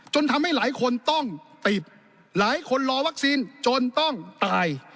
ทำให้หลายคนต้องติดหลายคนรอวัคซีนจนต้องตาย